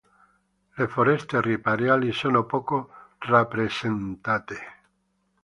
Le foreste ripariali sono poco rappresentate.